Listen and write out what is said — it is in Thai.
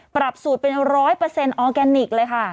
ปรับสูตรเป็น๑๐๐ออร์แกนิคเลยค่ะ